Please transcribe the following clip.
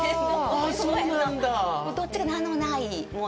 ああ、そうなんだ。